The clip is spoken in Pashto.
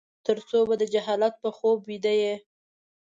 ترڅو به د جهالت په خوب ويده يې ؟